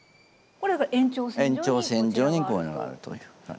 延長線上にこういうのがあるという。